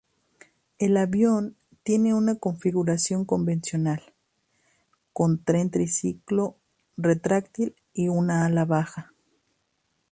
El avión tiene una configuración convencional, con tren triciclo retráctil y un ala baja.